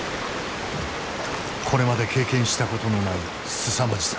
これまで経験したことのないすさまじさ。